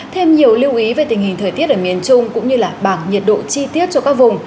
thêm nhiều lưu ý về tình hình thời tiết ở miền trung cũng như là bảng nhiệt độ chi tiết cho các vùng